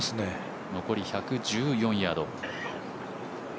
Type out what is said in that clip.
残り１１４ヤード。